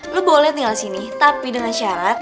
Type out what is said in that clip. lo boleh tinggal di sini tapi dengan syarat